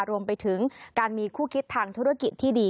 รวมไปถึงการมีคู่คิดทางธุรกิจที่ดี